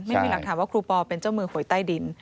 ไม่มีหลักฐานว่าครูปอเป็นเจ้ามือหวยใต้ดิน